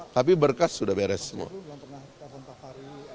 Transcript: tapi berkas sudah beres semua